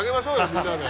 みんなで。